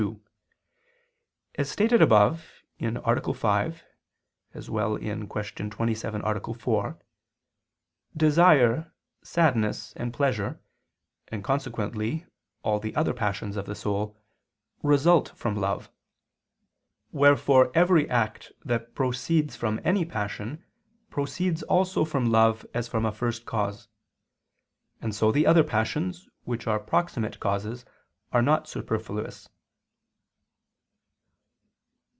2: As stated above (A. 5; Q. 27, A. 4) desire, sadness and pleasure, and consequently all the other passions of the soul, result from love. Wherefore every act that proceeds from any passion, proceeds also from love as from a first cause: and so the other passions, which are proximate causes, are not superfluous.